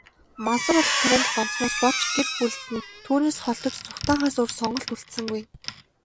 Мансууруулах тарианд донтсоноос болж, гэр бүлд нь түүнээс холдож, зугтаахаас өөр сонголт үлдсэнгүй.